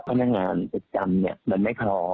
พนักงานประจำมันไม่คลอ